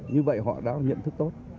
như vậy họ đã có nhận thức tốt